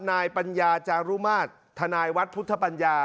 นายปัญญาจารุมาตรทนายวัดพุทธปัญญา